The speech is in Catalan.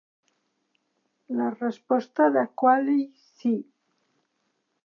La resposta de Quayle: sí.